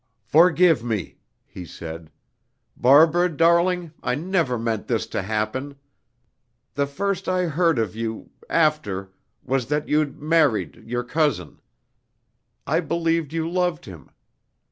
"Forgive me," he said, "Barbara, darling! I never meant this to happen. The first I heard of you after was that you'd married your cousin. I believed you loved him.